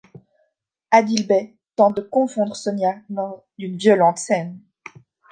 Adil bey tente de confondre Sonia lors d'une violente scène.